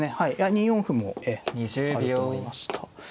２四歩もええあると思いました。